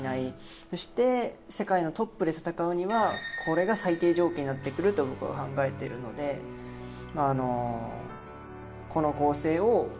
そして世界のトップで戦うにはこれが最低条件になってくると僕は考えてるのでこの構成を。